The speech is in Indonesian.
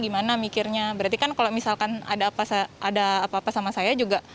gimana mikirnya berarti kan kalau misalkan ada apa apa sama saya juga